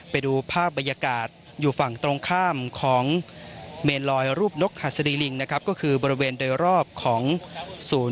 ไปดูภาพบรรยากาศอยู่ฝั่งตรงข้ามของเมนลอยรูปนกหัสรีลิงก็คือบริเวณโดยรอบของภูมิพุทธมนตร์อีสาน